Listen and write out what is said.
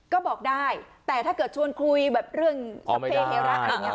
ก็บอกได้แต่ถ้าเกิดชวนคุยแบบเรื่องสัมเพระอะไรอย่างนี้